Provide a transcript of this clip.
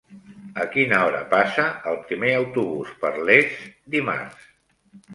A quina hora passa el primer autobús per Les dimarts?